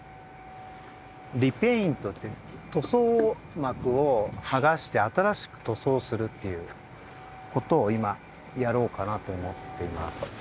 「リペイント」って塗装膜をはがして新しく塗装するっていうことを今やろうかなと思っています。